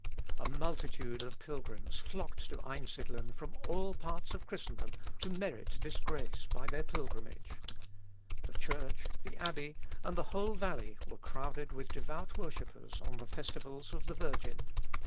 A multitude of pilgrims flocked to Einsidlen from all parts of Christendom, to merit this grace by their pilgrimage. The church, the abbey, and the whole valley were crowded with devout worshippers on the festivals of the Virgin.